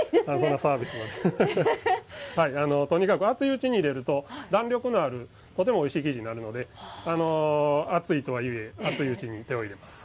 とにかく熱いうちに入れると弾力のあるとてもおいしい生地になるので熱いとはいえ熱いうちに手を入れます。